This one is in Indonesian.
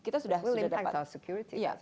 kita sudah dapat memperhatikan keamanan kita